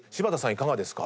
いかがですか？